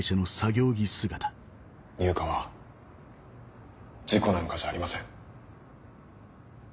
悠香は事故なんかじゃありません。